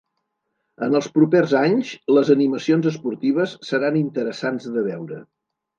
En els propers anys, les animacions esportives seran interessants de veure.